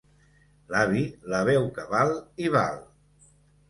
L'avi la veu que val, i val.